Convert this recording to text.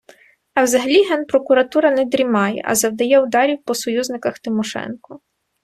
А взагалі Генпрокуратура не дрімає, а завдає ударів по союзниках Тимошенко.